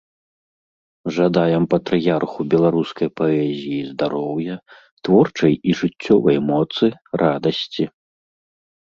Жадаем патрыярху беларускай паэзіі здароўя, творчай і жыццёвай моцы, радасці.